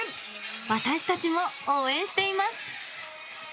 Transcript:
私たちも応援しています。